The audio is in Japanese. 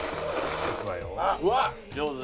上手。